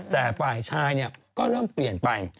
แต่ฝ่ายชายก็เริ่มเปลี่ยนไป